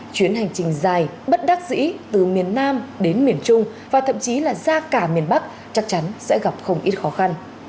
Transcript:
chuyến hành trình dài bất đắc dĩ từ miền nam đến miền trung và thậm chí là ra cả miền bắc chắc chắn sẽ gặp không ít khó khăn